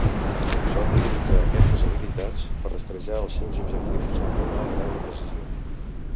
Sol utilitzar aquestes habilitats per rastrejar als seus objectius amb un alt grau de precisió.